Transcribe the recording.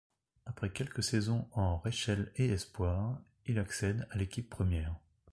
Après quelques saisons en Reichel et espoirs, il accède à l'équipe première.